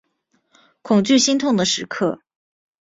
恐惧心痛的时刻